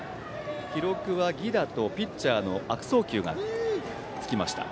記録は犠打とピッチャーの悪送球がつきました。